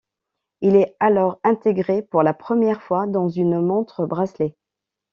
Il est alors intégré pour la première fois dans une montre-bracelet.